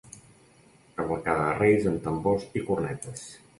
Cavalcada de Reis amb tambors i cornetes.